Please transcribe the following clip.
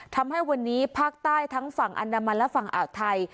ทำให้วันนี้ภาคใต้ทั้งฝั่งอันดามันและฝั่งอ่าวไทย